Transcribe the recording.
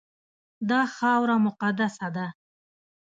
دا خاوره مقدسه ده.